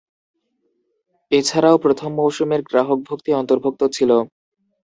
এছাড়াও প্রথম মৌসুমের গ্রাহকভুক্তি অন্তর্ভুক্ত ছিল।